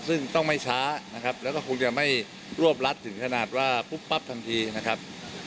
ซึ่งต้องไม่ช้านะครับแล้วก็คงจะไม่รวบรัดถึงขนาดว่าปุ๊บปั๊บทันทีนะครับ